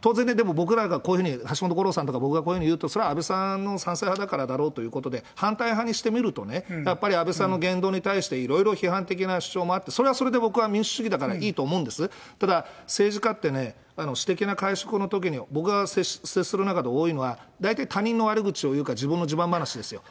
当然ね、僕、でも僕らが、橋本五郎さんとか、僕がこういうふうに言うと、安倍さんの賛成派だからだろうって、反対派にしてみると安倍さんの言動に対していろんな批判的なこともあって、それはそれで僕は民主主義だからいいと思うんです、ただ、政治家ってね、私的な会食のときに、僕が接する中で多いのは、大体他人の悪口を言うか、自分の自慢話ですよ。